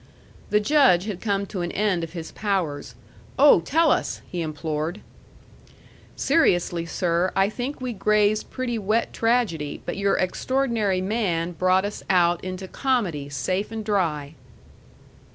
The Judge had come to an end of his powers. "Oh, tell us!" he implored. "Seriously, sir, I think we grazed pretty wet tragedy but your extraordinary man brought us out into comedy safe and dry."